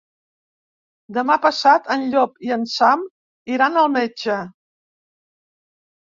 Demà passat en Llop i en Sam iran al metge.